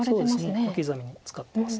小刻みに使ってます。